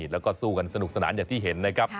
แล้วก็สู้กันสนุกสนานอย่างที่เห็นนะครับ